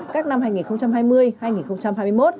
các năm hai nghìn hai mươi hai nghìn hai mươi một